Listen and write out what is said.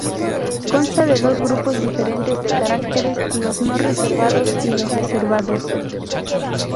Consta de dos grupos diferentes de caracteres, los no reservados y los reservados.